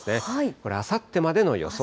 これあさってまでの予想